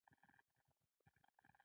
فلزونه ځلا لرونکي دي.